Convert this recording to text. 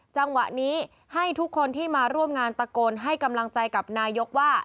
จังหวะนี้ให้ทุกคนที่มาร่วมงานตะโกนให้กำลังใจกับนายกว่า